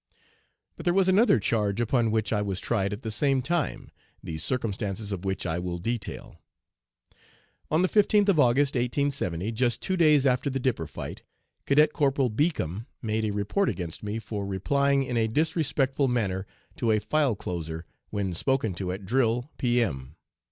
"But there was another charge upon which I was tried at the same time, the circumstances of which I will detail. "On the 15th of August, 1870, just two days after the 'dipper fight,' Cadet Corporal Beacom made a report against me for 'replying in a disrespectful manner to a file closer when spoken to at drill, P.M.